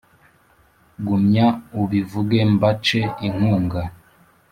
Gumya ubivuge mbace inkunga